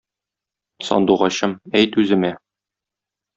Сандугачым, әйт үземә